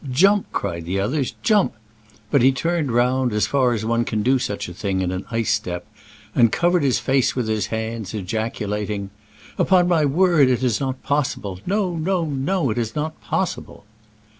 "Jump !" cried the others, "jump !'* But he turned round, as far as one can do such a thing in an ice step, and covered his face with his hands, ejaculating, " Upon my word, it is not possible. No, no, no ! it is not possible."